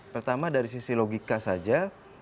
pertama dari sisi logika saja